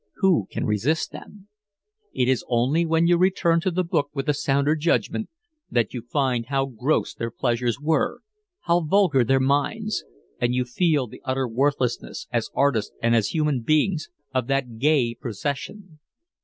Who can resist them? It is only when you return to the book with a sounder judgment that you find how gross their pleasures were, how vulgar their minds; and you feel the utter worthlessness, as artists and as human beings, of that gay procession.